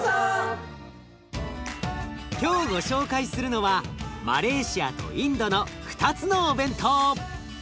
今日ご紹介するのはマレーシアとインドの２つのお弁当。